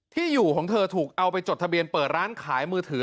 ที่อยู่ของเธอถูกเอาไปจดทะเบียนเปิดร้านขายมือถือ